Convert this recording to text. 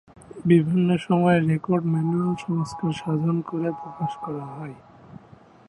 বিভিন্ন সময়ে রেকর্ড ম্যানুয়ালের সংস্কার সাধন করে প্রকাশ করা হয়।